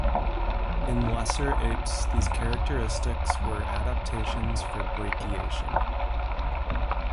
In lesser apes, these characteristics were adaptations for brachiation.